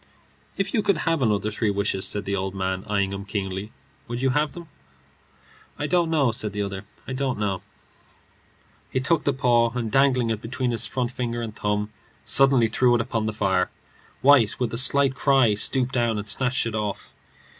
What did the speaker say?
"If you could have another three wishes," said the old man, eyeing him keenly, "would you have them?" "I don't know," said the other. "I don't know." He took the paw, and dangling it between his forefinger and thumb, suddenly threw it upon the fire. White, with a slight cry, stooped down and snatched it off.